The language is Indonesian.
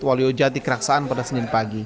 waliojati keraksaan pada senin pagi